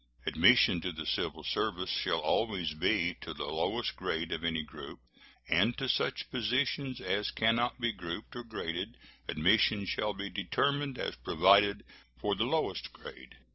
Admission to the civil service shall always be to the lowest grade of any group; and to such positions as can not be grouped or graded admission shall be determined as provided for the lowest grade.